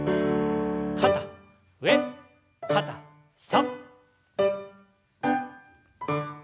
肩上肩下。